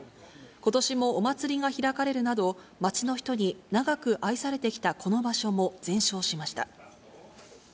ことしもお祭りが開かれるなど、街の人に長く愛されてきたこの場所も全焼しました。